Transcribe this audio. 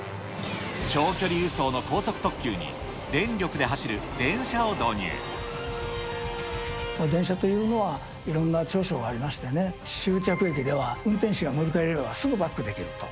長距離輸送の高速特急に電力電車というのは、いろんな長所がありましてね、終着駅では、運転士が乗り換えればすぐにバックできると。